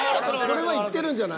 これはいってるんじゃない？